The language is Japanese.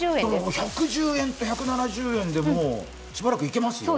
１１０円と１７０円でしばらくいけますよ。